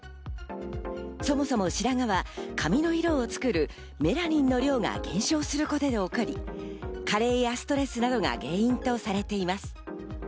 そもそも白髪は髪の色を作るメラニンの量が減少することで起こり、加齢やストレスなどが原因とされています。